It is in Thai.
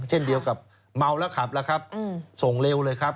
เช่นเดียวกับเมาแล้วขับแล้วครับส่งเร็วเลยครับ